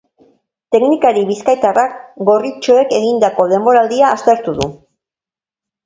Teknikari bizkaitarrak gorritxoek egindako denboraldia aztertu du.